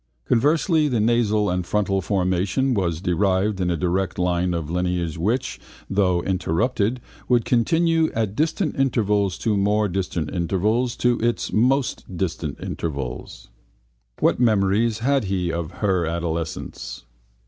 Conversely the nasal and frontal formation was derived in a direct line of lineage which, though interrupted, would continue at distant intervals to more distant intervals to its most distant intervals. What memories had he of her adolescence?